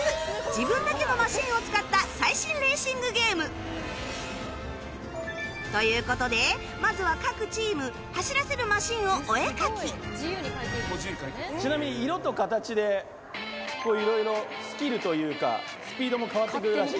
自分だけのマシンを使った最新レーシングゲームという事でまずは各チームちなみに色と形で色々スキルというかスピードも変わってくるらしい。